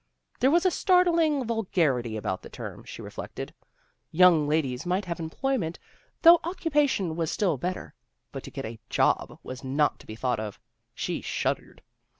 There was a startling vul garity about the term, she reflected. Young ELAINE UPSETS TRADITION 275 ladies might have employment, though occupa tion was still better. But to get a job was not to be thought of. She shuddered.